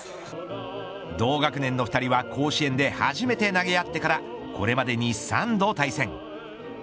同学年の２人は甲子園で初めて投げ合ってからこれまでに３度対戦。